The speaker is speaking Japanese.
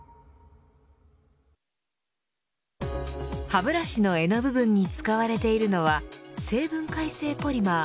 歯ブラシの柄の部分に使われているのは生分解性ポリマー